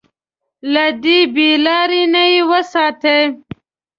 له دې بې لارۍ نه يې وساتي.